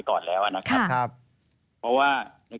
ครับผม